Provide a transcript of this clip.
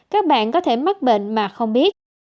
các bạn có thể mắc bệnh mà không biết